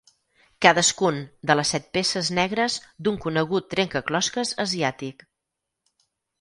Cadascun de les set peces negres d'un conegut trencaclosques asiàtic.